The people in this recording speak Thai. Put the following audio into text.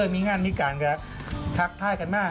มีงานมีการก็ทักทายกันมาก